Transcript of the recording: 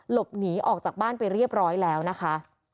หลบหนีออกจากบ้านไปเรียบร้อยแล้วนะคะ